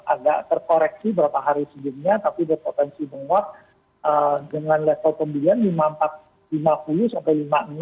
agak terkoreksi berapa hari sebelumnya tapi ada potensi menguat dengan level pembelian lima ribu empat ratus lima puluh sampai lima puluh enam